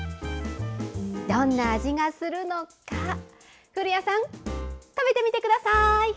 どんな味がするのか、古谷さん食べてみてください。